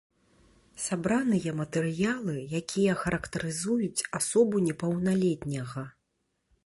Сабраныя матэрыялы, якія характарызуюць асобу непаўналетняга.